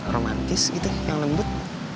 romantis gitu yang lembut